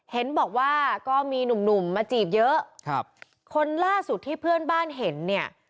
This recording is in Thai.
เห็นบอกว่าก็มีหนุ่มหนุ่มมาจีบเยอะครับคนล่าสุดที่เพื่อนบ้านเห็นเนี่ย